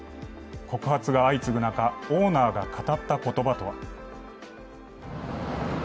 告発が相次ぐ中、オーナーが語った言葉とは。